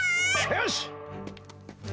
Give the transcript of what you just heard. よし！